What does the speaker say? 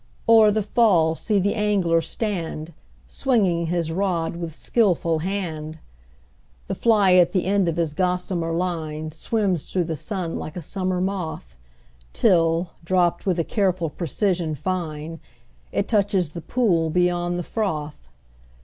o'er the fall see the angler stand, Swinging his rod with skilful hand; The fly at the end of his gossamer line Swims through the sun like a summer moth, Till, dropt with a careful precision fine, It touches the pool beyond the froth.